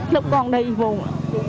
lúc con đi vùng